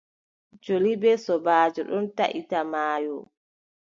Joli bee sobaajo ɗon tahita maayo.